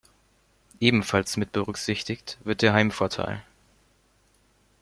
Ebenfalls mitberücksichtigt wird der Heimvorteil.